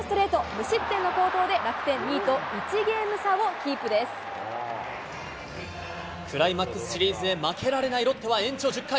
無失点の好投で、楽天、２位と１クライマックスシリーズへ、負けられないロッテは延長１０回。